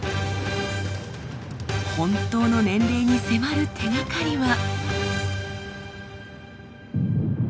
本当の年齢に迫る手がかりは。